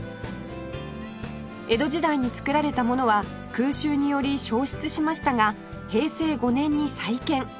江戸時代に作られたものは空襲により焼失しましたが平成５年に再建